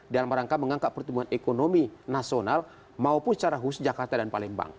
dalam rangka mengangkat pertumbuhan ekonomi nasional maupun secara khusus jakarta dan palembang